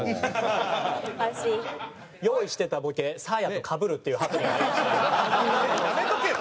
用意してたボケサーヤとかぶるっていうハプニングありましたけど。